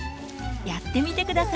やってみて下さい。